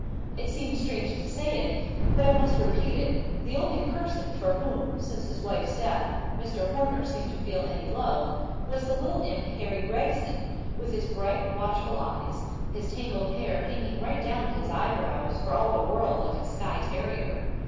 It seems strange to say it, but I must repeat it—the only person for whom, since his wife's death, Mr. Horner seemed to feel any love, was the little imp Harry Gregson, with his bright, watchful eyes, his tangled hair hanging right down to his eyebrows, for all the world like a Skye terrier.